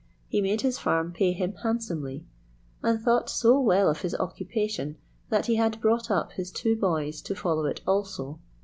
He made his farm pay him handsomely, and thought so well of his occupation that he had brought up his two boys to follow it also.